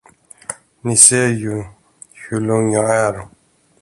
Ni ser ju, hur lugn jag är.